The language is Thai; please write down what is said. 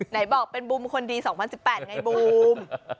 ไหนบอกเป็นบูมคนดี๒๐๑๘ไงบูม